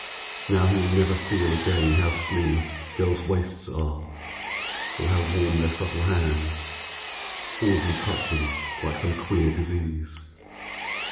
Now he will never feel again how slim Girls' waists are, or how warm their subtle hands, All of them touch him like some queer disease.